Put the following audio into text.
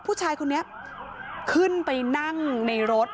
ผู้ชายคนนี้ขึ้นไปนั่งในรถ